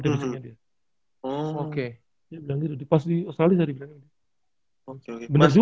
dia bilang gitu pas di australia dia bilang gitu